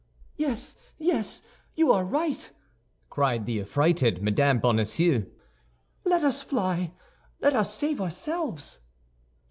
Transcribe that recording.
"Yes, yes! You are right," cried the affrighted Mme. Bonacieux; "let us fly! Let us save ourselves."